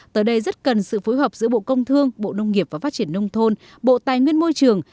tới đây rất cần sự phối hợp giữa bộ công thương bộ nông nghiệp và phát triển nông thôn bộ tài nguyên môi trường